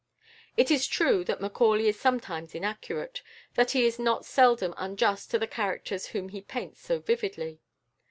It is true that Macaulay is sometimes inaccurate, that he is not seldom unjust to the characters whom he paints so vividly.